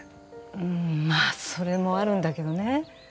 うんまぁそれもあるんだけどね。